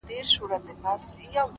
• دوه شاهان په مملکت کي نه ځاییږي,